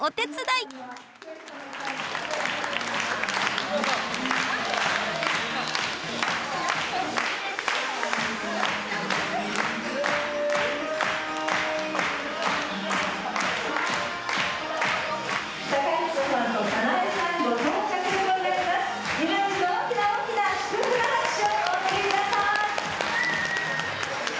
いま一度大きな大きな祝福の拍手をお送り下さい！